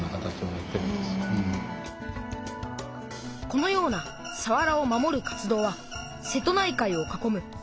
このようなさわらを守る活動は瀬戸内海を囲む１１